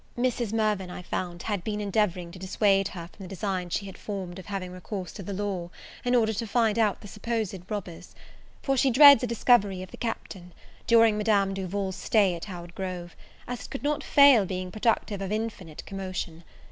Mrs. Mirvan, I found, had been endeavouring to dissuade her from the design she had formed of having recourse to the law, in order to find out the supposed robbers; for she dreads a discovery of the Captain, during Madam Duval's stay at Howard Grove, as it could not fail being productive of infinite commotion.